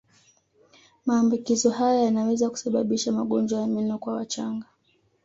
Maambukizo haya yanaweza kusababisha magonjwa ya meno kwa wachanga